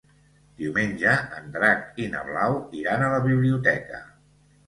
Diumenge en Drac i na Blau iran a la biblioteca.